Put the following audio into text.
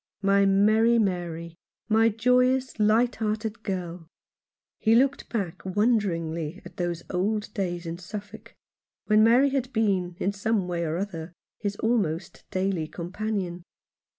My merry Mary, my joyous light hearted girl !" He looked back wonderingly at those old days in Suffolk, when Mary had been, in some way or other, his almost daily companion.